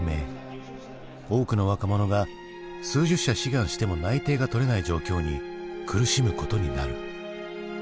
多くの若者が数十社志願しても内定が取れない状況に苦しむことになる。